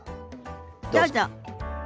どうぞ。